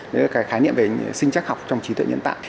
đấy là cái khái niệm về sinh chắc học trong trí tuệ nhân tạo